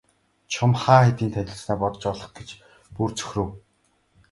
Чухам хаа хэдийд танилцсанаа бодож олох гэж бүр цөхрөв.